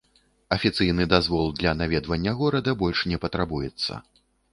Афіцыйны дазвол для наведвання горада больш не патрабуецца.